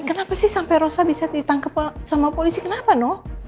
kenapa sih sampai rosa bisa ditangkap sama polisi kenapa no